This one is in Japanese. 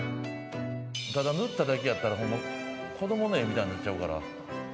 ただ塗っただけやったらホンマ子どもの絵みたいになっちゃうから。